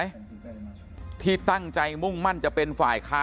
คุณวราวุฒิศิลปะอาชาหัวหน้าภักดิ์ชาติไทยพัฒนา